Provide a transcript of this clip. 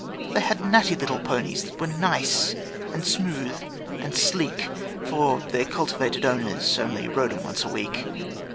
They had natty little ponies that were nice, and smooth, and sleek, For their cultivated owners only rode 'em once a week.